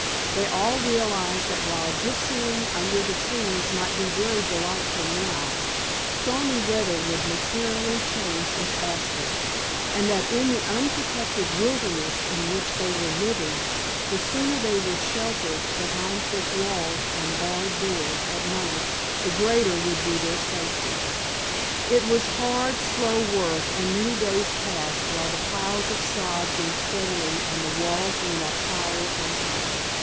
They all realized that while gypsying under the trees might be very delightful now, stormy weather would materially change its aspect, and that in the unprotected wilderness in which they were living the sooner they were sheltered behind thick walls and barred doors at night the greater would be their safety. It was hard, slow work, and many days passed, while the piles of sod grew steadily and the walls went up higher and higher.